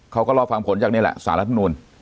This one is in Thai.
เขาก็รอฟังผลจากนี้แหละสาระทั้งนู้น